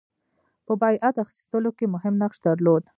په بیعت اخیستلو کې مهم نقش درلود.